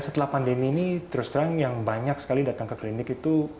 setelah pandemi ini terus terang yang banyak sekali datang ke klinik itu